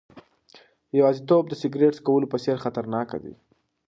یوازیتوب د سیګریټ څکولو په څېر خطرناک دی.